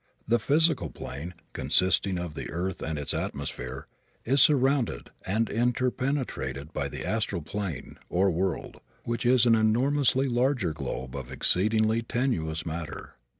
The physical plane, consisting of the earth and its atmosphere, is surrounded and interpenetrated by the astral plane, or world, which is an enormously larger globe of exceedingly tenuous matter.